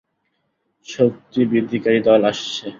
শক্তিবৃদ্ধিকারী দল আসছে।